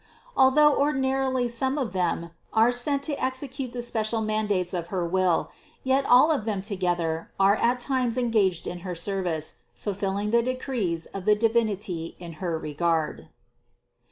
Although or dinarily only some of them are sent to execute the spe cial mandates of her will, yet all of them together are at times engaged in her service, fulfilling the decrees of the Divinity in her regard.